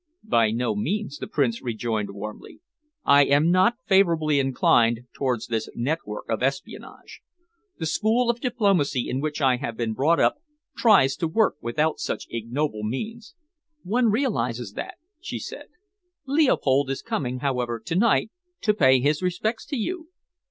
"By no means," the Prince rejoined warmly. "I am not favourably inclined towards this network of espionage. The school of diplomacy in which I have been brought up tries to work without such ignoble means." "One realises that," she said. "Leopold is coming, however, to night, to pay his respects to you."